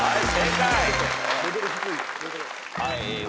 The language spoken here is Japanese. はい。